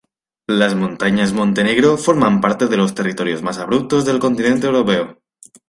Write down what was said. Las montañas de "Montenegro" forman parte de los territorios más abruptos del continente europeo.